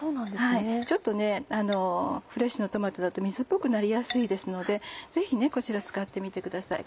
ちょっとフレッシュのトマトだと水っぽくなりやすいですのでぜひこちら使ってみてください。